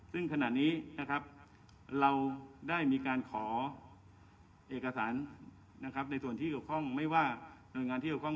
ซึ่งขณะนี้เราได้มีการขอเอกสารในส่วนที่เกี่ยวข้อง